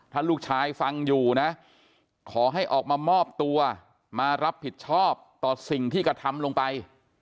ถ้าลูกชายฟังอยู่นะขอให้ออกมามอบตัวมารับผิดชอบต่อสิ่งที่กระทำลงไป